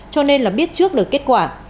cho nên là biết trước được kết quả